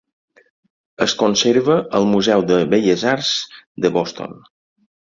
Es conserva al Museu de Belles Arts de Boston.